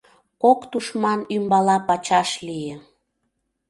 Кок тушман ӱмбала-пачаш лие.